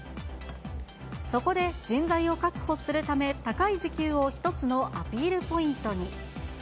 そこで人材を確保するため、高い時給を一つのアピールポイントに。